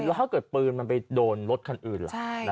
ใช่แล้วถ้าเกิดปืนมันไปโดนรถคนอื่นเหรอใช่